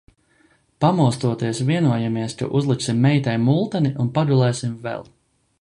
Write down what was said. Pamostoties vienojamies, ka uzliksim meitai multeni un pagulēsim vēl.